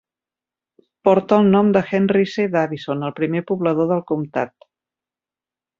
Porta el nom de Henry C. Davison, el primer poblador del comtat.